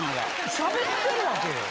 しゃべってるわけよ。